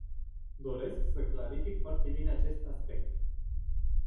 Doresc să clarific foarte bine acest aspect.